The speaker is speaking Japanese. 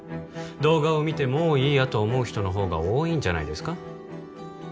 動画を見てもういいやと思う人のほうが多いんじゃないですか？